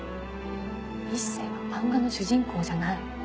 一星は漫画の主人公じゃない。